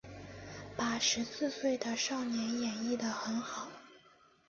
把十四岁的少年演绎的很好